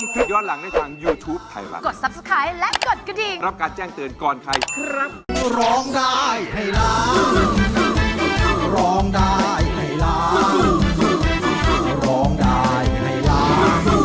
พี่ไม่ได้เตรียมตัวเลยอ่ะเป๊กจะทำไงดีกัน